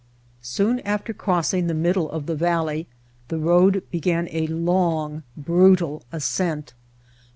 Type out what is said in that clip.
Soon after crossing the middle of the valley the road began a long, brutal ascent.